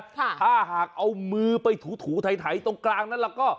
ถ้าหากเอามือไปถูถูไถตรงกลางนั้นแล้วก็